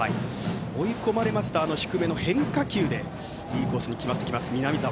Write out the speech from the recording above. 追い込まれますと低めの変化球がいいコースに決まってきます南澤。